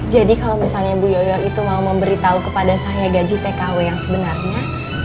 jadi kalo misalnya bu yoyo itu mau memberitahu kepada saya gaji tkw yang sebenarnya